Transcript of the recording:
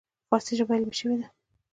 فارسي ژبه علمي شوې ده.